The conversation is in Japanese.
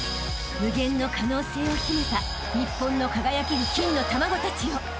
［無限の可能性を秘めた日本の輝ける金の卵たちよ］